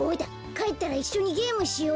かえったらいっしょにゲームしようよ。